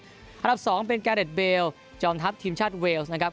อันดับ๒เป็นการเด็ดเบลจอมทัพทีมชาติเวลส์นะครับ